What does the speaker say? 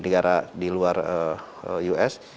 negara di luar us